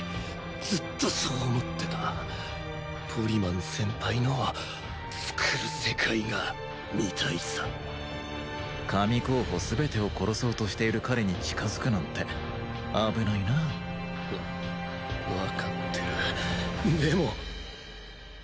ずっとそう思ってたポリマン先輩のつくる世界が見たいさ神候補全てを殺そうとしている彼に近づくなんて危ないなあわ分かってるでも・